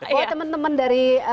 buat teman teman dari